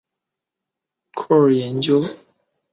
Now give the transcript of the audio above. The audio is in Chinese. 把酷儿理论应用到各种学科的研究被称为酷儿研究。